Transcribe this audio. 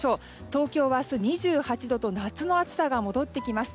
東京は明日２８度と夏の暑さが戻ってきます。